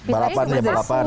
balapan ya balapan